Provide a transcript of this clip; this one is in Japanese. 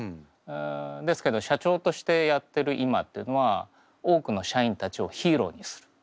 ですけど社長としてやってる今っていうのは多くの社員たちをヒーローにする。